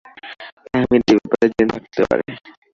তাহমিদ এ ব্যাপারে জেনে থাকতে পারে।